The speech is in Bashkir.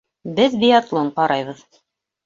Беҙ биатлон ҡарайбыҙ.